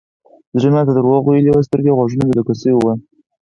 زړه مې راته دروغ ويلي و سترګې او غوږونه مې دوکه سوي وو.